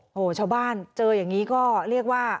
โอ้โหชาวบ้านเจออย่างนี้ก็เรียกว่า